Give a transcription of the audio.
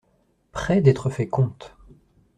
Près d'être fait comte.